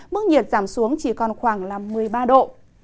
mức nhiệt giảm xuống chỉ còn khoảng là một mươi ba độ